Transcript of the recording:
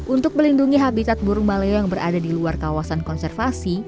untuk melindungi habitat burung maleo yang berada di luar kawasan konservasi